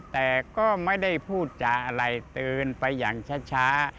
แต่ก็ไม่ได้พูดจาอะไรตื่นไปอย่างช้า